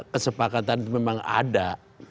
kesepakatan itu memang ada